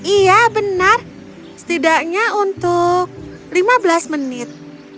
iya benar setidaknya untuk lima belas menit